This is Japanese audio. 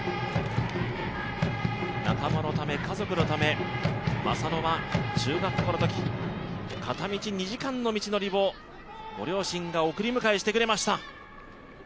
仲間のため、家族のため正野は中学校のとき片道２時間の道のりをご両親が送り迎えしてくれました。